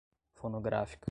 fonográfica